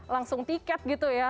langsung tiket gitu ya